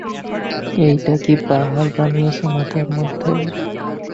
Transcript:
এইটা কি পাহাড় বানিয়েছ মাথার মধ্যে?